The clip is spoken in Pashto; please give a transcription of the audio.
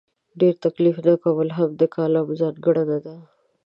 ډېر تکلف نه کول هم د کالم ځانګړنه ده.